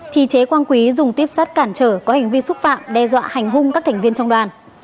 thì chế quang quý dùng tuyếp sắt cản trở có hành vi xúc phạm đe dọa hành hung các thành viên trong đoàn